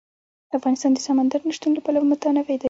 افغانستان د سمندر نه شتون له پلوه متنوع دی.